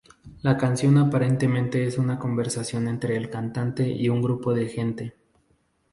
La canción aparentemente es una conversación entre el cantante y un grupo de gente.